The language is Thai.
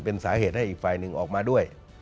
เป็นสาเหตุให้อีกฝ่ายหนึ่งออกมาด้วย